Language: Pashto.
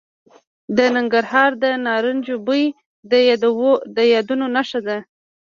د ننګرهار د نارنجو بوی د یادونو نښه ده.